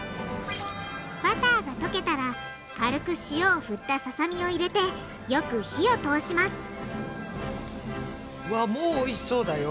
バターが溶けたら軽く塩を振ったささみを入れてよく火を通しますわもうおいしそうだよ。